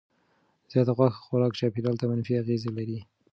زیات غوښه خوراک چاپیریال ته منفي اغېز لري.